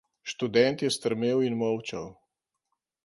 Študent je strmel in molčal.